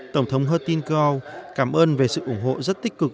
tổng thống hertin keo cảm ơn về sự ủng hộ rất tích cực